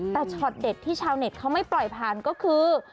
แต่ช็อตเด็ดที่ชาวเน็ตเขาไม่ปล่อยผ่านก็คือ